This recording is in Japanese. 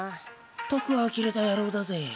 ったくあきれた野郎だぜ。